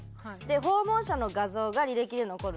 訪問者の画像が履歴で残るんですね。